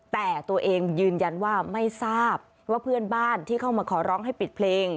แต่ตัวเองยืนยันว่าไม่ทราบว่าเพื่อนบ้านที่เข้ามาขอร้องให้ปิดเพลง